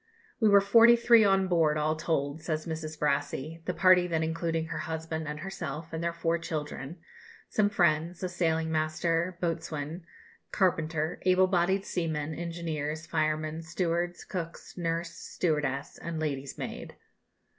"We were forty three on board, all told," says Mrs. Brassey, the party then including her husband and herself and their four children, some friends, a sailing master, boatswain, carpenter, able bodied seamen, engineers, firemen, stewards, cooks, nurse, stewardess, and lady's maid.